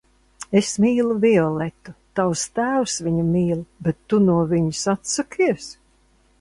Es mīlu Violetu, tavs tēvs viņu mīl, bet tu no viņas atsakies?